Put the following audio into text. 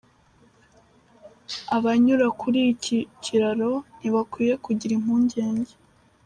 Abanyura kuri iki kiraro ntibakwiye kugira impungenge’.